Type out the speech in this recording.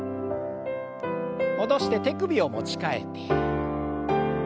戻して手首を持ち替えて。